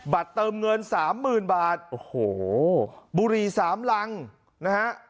เติมเงินสามหมื่นบาทโอ้โหบุรีสามรังนะฮะ